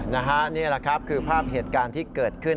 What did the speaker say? นี่แหละครับคือภาพเหตุการณ์ที่เกิดขึ้น